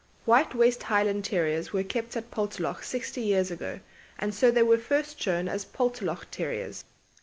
White West Highland Terriers were kept at Poltalloch sixty years ago, and so they were first shown as Poltalloch Terriers.